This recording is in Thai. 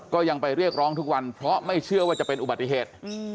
ก็ยังไปเรียกร้องทุกวันเพราะไม่เชื่อว่าจะเป็นอุบัติเหตุ